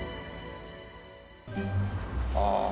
ああ。